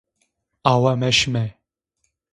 Awe meşımê.